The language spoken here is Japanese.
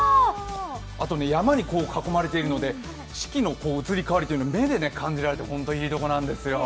あとね、山に囲まれているので四季の移り変わりというのを目で感じられて、本当にいいところなんですよ。